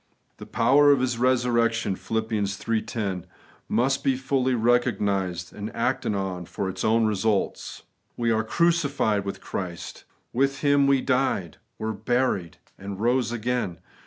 The 'power of His resurrection' (Phil. iii. 10) must be fully recognised and acted on for its own results. We are crucified with Christ. With Him we died, were buried, and rose again.